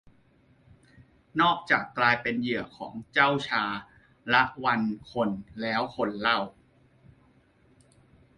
นอกจากกลายเป็นเหยื่อของเจ้าชาละวันคนแล้วคนเล่า